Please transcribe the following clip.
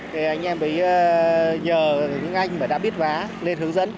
thì anh em mới nhờ những anh mà đã biết vá lên hướng dẫn